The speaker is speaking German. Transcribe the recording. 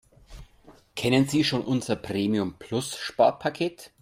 Kennen Sie schon unser Premium-Plus-Sparpaket?